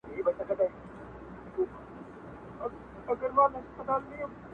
• د سپي دا وصیت مي هم پوره کومه,